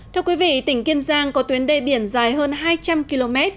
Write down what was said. thưa quý vị tỉnh kiên giang có tuyến đê biển dài hơn hai trăm linh km